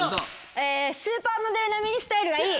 えスーパーモデル並みにスタイルがいい。